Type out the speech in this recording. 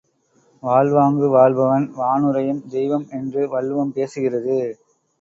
வாழ்வாங்கு வாழ்பவன் வானுறையும் தெய்வம் என்று வள்ளுவம் பேசுகிறது.